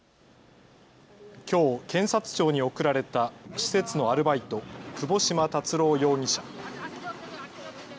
きょう検察庁に送られた施設のアルバイト、窪島達郎容疑者。